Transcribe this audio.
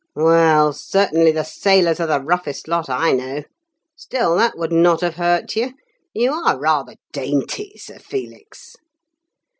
"Well, certainly the sailors are the roughest lot I know. Still, that would not have hurt you. You are rather dainty, Sir Felix!"